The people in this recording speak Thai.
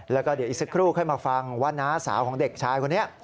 แล้วก็เดี๋ยวอีกสักครู่ค่อยมาฟังว่าน้าสาวของเด็กชายคนนี้